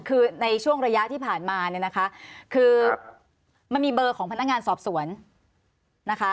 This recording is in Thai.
คือในช่วงระยะที่ผ่านมามันมีเบอร์ของพนักงานสอบสวน